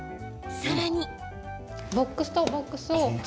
さらに。